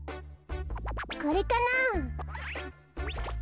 これかなあ？